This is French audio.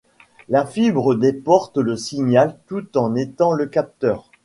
La fibre déporte le signal tout en étant le capteur.